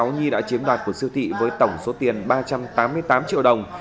nhi đã chiếm đoạt của siêu thị với tổng số tiền ba trăm tám mươi tám triệu đồng